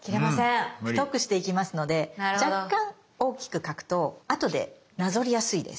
太くしていきますので若干大きく描くとあとでなぞりやすいです。